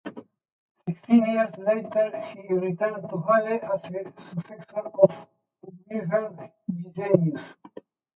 Sixteen years later he returned to Halle as a successor of Wilhelm Gesenius.